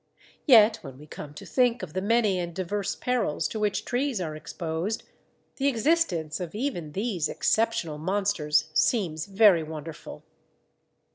Yet when we come to think of the many and diverse perils to which trees are exposed, the existence of even these exceptional monsters seems very wonderful.